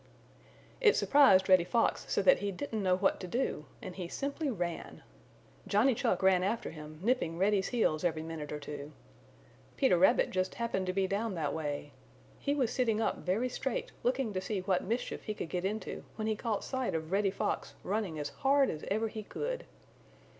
It surprised Reddy Fox so that he didn't know what to do, and he simply ran. Johnny Chuck ran after him, nipping Reddy's heels every minute or two. Peter Rabbit just happened to be down that way. He was sitting up very straight looking to see what mischief he could get into when he caught sight of Reddy Fox running as hard as ever he could.